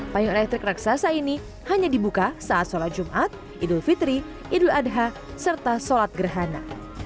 payung elektrik raksasa ini hanya dibuka saat sholat jumat idul fitri idul adha serta sholat gerhana